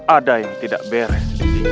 ada yang tidak beres